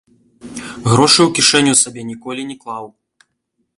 Грошы ў кішэню сабе ніколі не клаў.